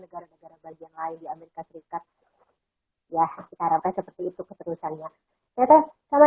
negara negara bagian lain di amerika serikat ya sekarang saya seperti itu keterusannya teteh sama